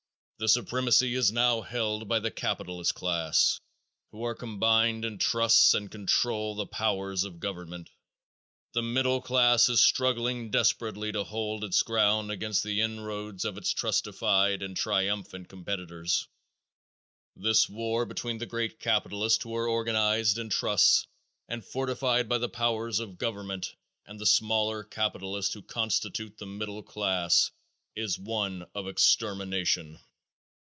The supremacy is now held by the capitalist class, who are combined in trusts and control the powers of government. The middle class is struggling desperately to hold its ground against the inroads of its trustified and triumphant competitors. This war between the great capitalists who are organized in trusts and fortified by the powers of government and the smaller capitalists who constitute the middle class, is one of extermination.